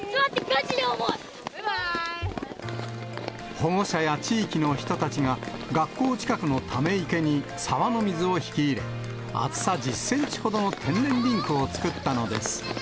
保護者や地域の人たちが、学校近くのため池に沢の水を引き入れ、厚さ１０センチほどの天然リンクを作ったのです。